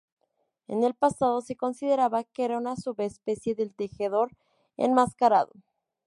En el pasado se consideraba que era una subespecie del tejedor enmascarado.